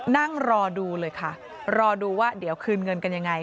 นั่งรอดูเลยค่ะรอดูว่าเดี๋ยวคืนเงินกันยังไง